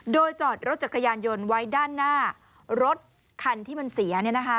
โดยจอดรถจักรยานยนต์ไว้ด้านหน้ารถคันที่มันเสีย